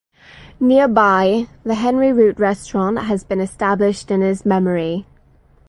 Nearby, The Henry Root restaurant has been established in his memory.